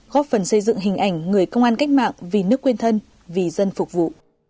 góp phần xây dựng hình ảnh người công an cách mạng vì nước quên thân vì dân phục vụ